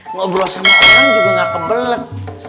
ngobrol sama orang juga gak kebelet